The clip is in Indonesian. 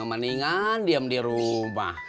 mendingan diam di rumah